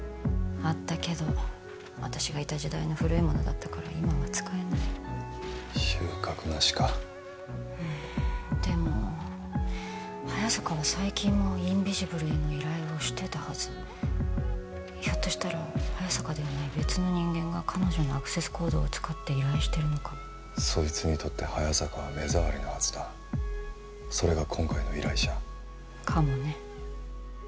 あったけど私がいた時代の古いものだったから今は使えない収穫なしかでも早坂は最近もインビジブルへの依頼をしてたはずひょっとしたら早坂ではない別の人間が彼女のアクセスコードを使って依頼してるのかもそいつにとって早坂は目障りなはずだそれが今回の依頼者かもね